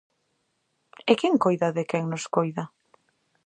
E quen coida a quen nos coida?